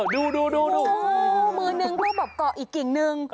ดูโหมิ้วนึงเต้าบอกเกาะอีกกิ่งนึง